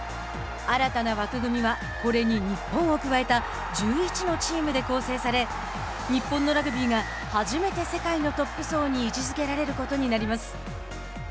新たな枠組みはこれに日本を加えた１１のチームで構成され日本のラグビーが初めて世界のトップ層に位置づけられることになります。